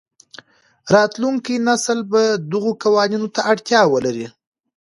راتلونکی نسل به دغو قوانینو ته اړتیا ولري.